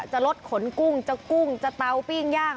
จะลดขนกุ้งจะกุ้งจะเตาปิ้งย่าง